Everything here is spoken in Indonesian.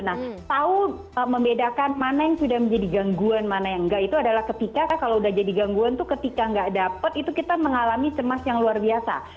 nah tahu membedakan mana yang sudah menjadi gangguan mana yang enggak itu adalah ketika kalau sudah jadi gangguan tuh ketika nggak dapat itu kita mengalami cemas yang luar biasa